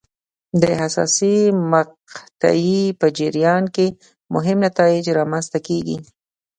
د حساسې مقطعې په جریان کې مهم نتایج رامنځته کېږي.